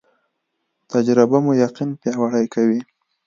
تجربه مو یقین پیاوړی کوي